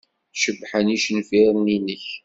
Cebḥen yicenfiren-nnek.